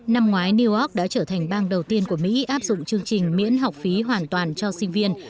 năm ngoái newark đã trở thành bang đầu tiên của mỹ áp dụng chương trình miễn học phí hoàn toàn cho sinh viên